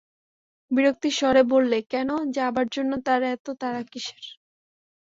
বিরক্তির স্বরে বললে, কেন, যাবার জন্যে তার এত তাড়া কিসের?